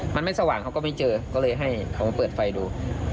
มันไม่สว่างเขาก็ไม่เจอก็เลยให้เขามาเปิดไฟดู